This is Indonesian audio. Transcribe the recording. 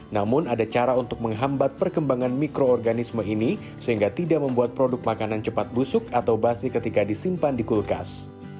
namun ada cara untuk menghambat perkembangan mikroorganisme ini sehingga tidak membuat produk makanan cepat busuk atau basi ketika disimpan di kulkas